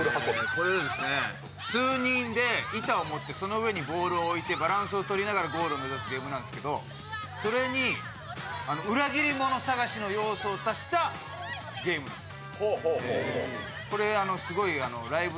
これは数人で板を持って、その上にボールを置いてバランスをとりながらゴールを目指すゲームなんですけどそれに裏切り者を探しの要素を足したゲームです。